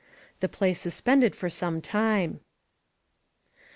The play suspended for some time.